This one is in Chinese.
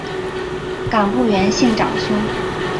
冈部元信长兄。